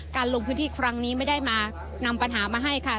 ลงพื้นที่ครั้งนี้ไม่ได้มานำปัญหามาให้ค่ะ